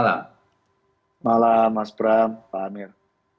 selamat malam mas bram pak amir